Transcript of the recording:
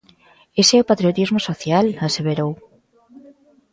"Ese é o patriotismo social", aseverou.